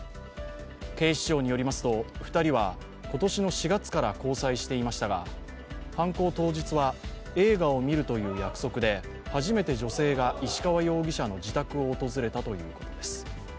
警視庁によりますと２人は今年の４月から交際していましたが犯行当日は、映画を見るという約束で初めて女性が石川容疑者の自宅を訪れたということです。